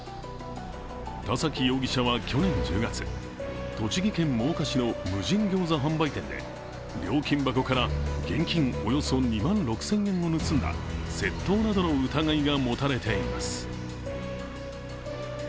田崎容疑者は去年１０月栃木県真岡市の無人ギョーザ販売店で料金箱から現金およそ２万６０００円を盗んだ窃盗などの疑いが持たれています。